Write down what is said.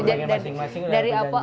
oh pembagian masing masing